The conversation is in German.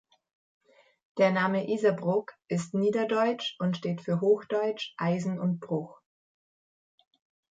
Der Name Iserbrook ist niederdeutsch und steht für hochdeutsch "Eisen" und "Bruch".